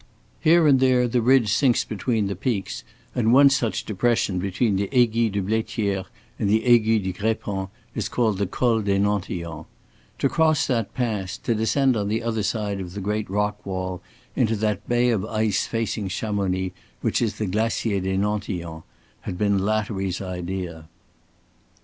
Here and there the ridge sinks between the peaks, and one such depression between the Aiguille de Blaitière and the Aiguille du Grépon is called the Col des Nantillons. To cross that pass, to descend on the other side of the great rock wall into that bay of ice facing Chamonix, which is the Glacier des Nantillons, had been Lattery's idea.